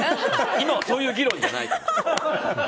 今はそういう議論じゃないから。